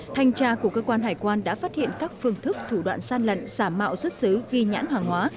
thanh tra của cơ quan hải quan đã phát hiện các phương thức thủ đoạn gian lận xả mạo xuất xứ ghi nhãn hàng hóa